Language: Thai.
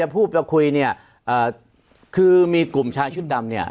พูดอะไรก็คือมีกลุ่มชายชุดดำเนี่ย